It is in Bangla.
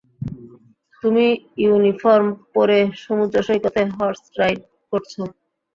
তুমি ইউনিফর্ম পরে সমুদ্র সৈকতে হর্স-রাইড করছ?